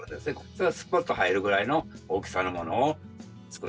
それがすぽっと入るぐらいの大きさのものを作る。